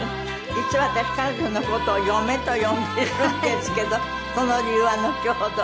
実は私彼女の事を嫁と呼んでいるんですけどその理由はのちほど。